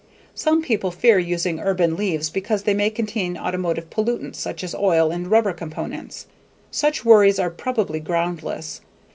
Some people fear using urban leaves because they may contain automotive pollutants such as oil and rubber components. Such worries are probably groundless.